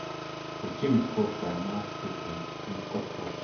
The team is coached by Mark Frithsen and Scott Polston.